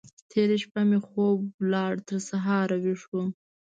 تېره شپه مې خوب ولاړ؛ تر سهار ويښ وم.